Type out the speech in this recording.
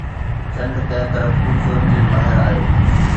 چنڊ ڪنهن طرف خوبصورت ٿي ٻاهر آيو